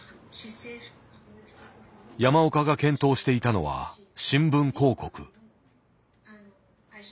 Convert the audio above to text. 山岡が検討していたのは新聞広告。